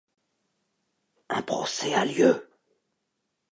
Un procès a lieu.